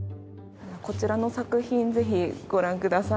こちらの作品ぜひご覧ください。